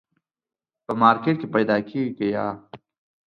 په مارکېټ کي پیدا کېږي که یه ؟